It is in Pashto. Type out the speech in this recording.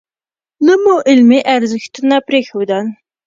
نه مو علمي ارزښتونه پرېښودل.